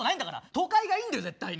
都会がいいんだよ絶対に。